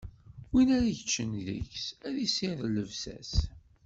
Win ara yeččen deg-s, ad issired llebsa-s.